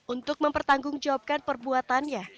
untuk mempertanggung jawabkan perbuatannya